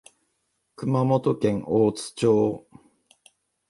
熊本県大津町